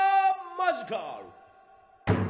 マジカル。